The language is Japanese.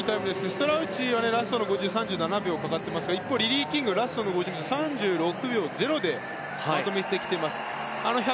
ストラウチはラストの５０が３７秒かかっていますがリリー・キングはラストの５０、３６秒０でまとめてきています。